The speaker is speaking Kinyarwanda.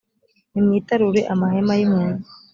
nimwitarure amahema yimpunzi